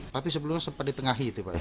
tapi sebelumnya sempat ditengahi itu pak